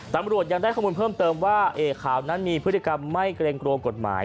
ตำรวจยังได้ข้อมูลเพิ่มเติมว่าเอกขาวนั้นมีพฤติกรรมไม่เกรงกลัวกฎหมาย